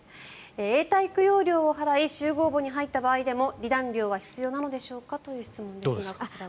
永代供養料を払い集合墓に入った場合でも離檀料は必要なのでしょうか？という質問ですが、こちらは。